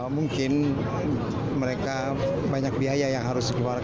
mungkin mereka banyak biaya yang harus dikeluarkan